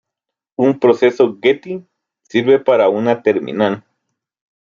Un proceso getty sirve para una terminal.